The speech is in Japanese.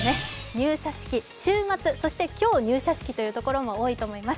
入社式、週末、そして今日入社式というところも多いと思います。